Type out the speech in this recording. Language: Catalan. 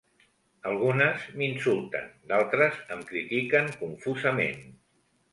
Algunes m'insulten, d'altres em critiquen confusament.